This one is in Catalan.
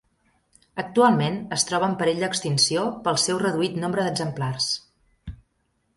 Actualment es troba en perill d'extinció pel seu reduït nombre d'exemplars.